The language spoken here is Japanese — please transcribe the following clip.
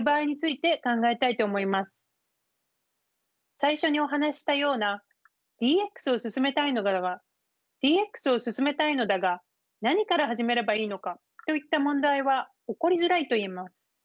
最初にお話ししたような「ＤＸを進めたいのだが何から始めればいいのか？」といった問題は起こりづらいといえます。